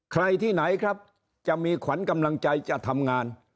ใครที่ไหนครับจะมีขวัญกำลังใจจะทำงาน